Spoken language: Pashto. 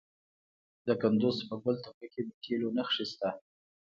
د کندز په ګل تپه کې د تیلو نښې شته.